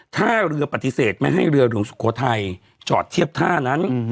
ถ้าเรือปฏิเสธไม่ให้เรือหลวงสุโขทัยจอดเทียบท่านั้น